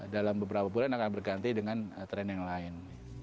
dalam beberapa bulan akan berganti dengan tren yang lain